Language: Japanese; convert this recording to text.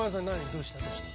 どうしたどうした？